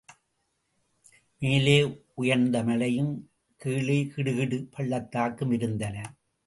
மேலே உயர்ந்த மலையும், கீழே கிடுகிடு பள்ளத்தாக்கும் இருந்தன.